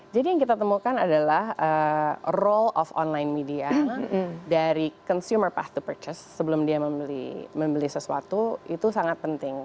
jadi yang kita temukan adalah role of online media dari consumer path to purchase sebelum dia membeli sesuatu itu sangat penting